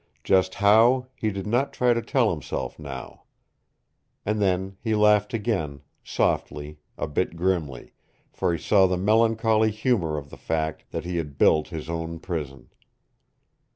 Just how, he did not try to tell himself now. And then he laughed again, softly, a bit grimly, for he saw the melancholy humour of the fact that he had built his own prison.